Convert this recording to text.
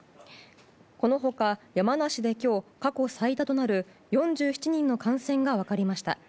この他、山梨で今日過去最多となる４７人の感染が分かりました。